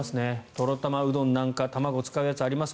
とろ玉うどんなんか卵を使うやつあります。